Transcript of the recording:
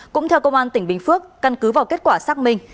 cũng theo công an tỉnh bình phước căn cứ vào kết quả xác minh